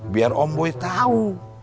biar om boy tau